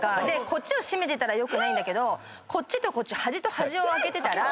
こっち閉めてたらよくないけどこっちとこっち端と端を開けてたら。